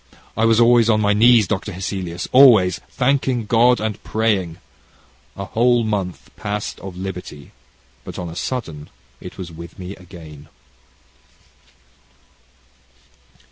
I was always on my knees, Dr. Hesselius, always, thanking God and praying. A whole month passed of liberty, but on a sudden, it was with me again."